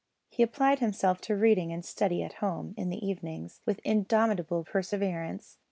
He applied himself to reading and study at home in the evenings with indomitable perseverance.